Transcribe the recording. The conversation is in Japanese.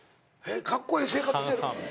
カッコエエ生活してる。